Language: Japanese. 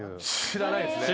知らないっすね。